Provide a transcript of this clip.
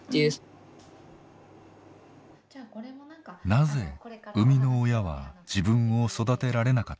なぜ生みの親は自分を育てられなかったのか。